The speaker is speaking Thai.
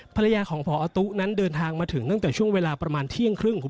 ภรรยาของพอตู้นั้นเดินทางมาถึงตั้งแต่ช่วงเวลาประมาณเที่ยงครึ่ง